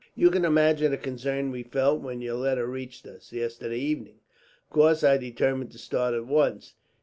"You can imagine the concern we felt when your letter reached us, yesterday evening. Of course, I determined to start at once.